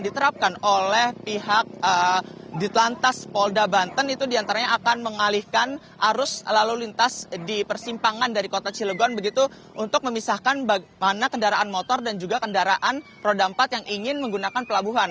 diterapkan oleh pihak ditelantas polda banten itu diantaranya akan mengalihkan arus lalu lintas di persimpangan dari kota cilegon begitu untuk memisahkan bagaimana kendaraan motor dan juga kendaraan roda empat yang ingin menggunakan pelabuhan